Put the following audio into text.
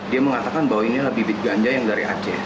dia mengatakan bahwa inilah bibit ganja yang dari aceh